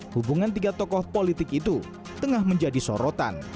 hubungan tiga tokoh politik itu tengah menjadi sorotan